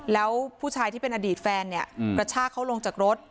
แล้วผู้ชายที่เป็นอดีตแฟนเนี่ยกระชากเขาลงจากรถ